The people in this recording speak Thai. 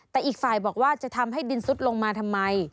แต่อีกฝ่ายบอกว่าจะทำให้ดินซุดลงมาทำไม